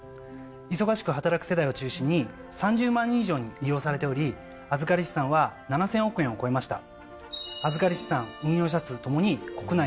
忙しく働く世代を中心に３０万人以上に利用されており預かり資産は７，０００億円を超えました。